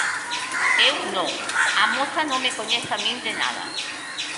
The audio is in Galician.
Eu non, a moza non me coñece a min de nada.